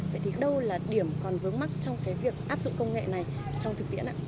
vậy thì đâu là điểm còn vướng mắt trong cái việc áp dụng công nghệ này trong thực tiễn ạ